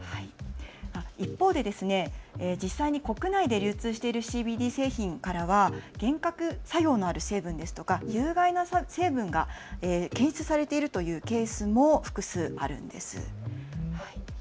一方で実際に国内で流通しているＣＢＤ製品からは幻覚作用のある成分ですとか有害な成分が検出されているというケースも複数あるんです。